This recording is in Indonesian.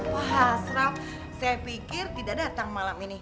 pak hasraf saya pikir tidak datang malam ini